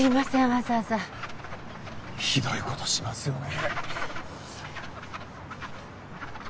わざわざひどいことしますよね